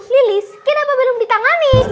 lilis kenapa belum ditangani